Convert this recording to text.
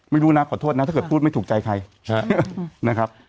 ไม่รู้นะขอโทษนะถ้าเกิดพูดไม่ถูกใจใครนะครับ